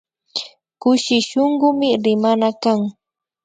Kushi shunkumi rimana kan